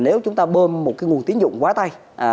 nếu chúng ta bơm một cái nguồn tiến dụng quá tay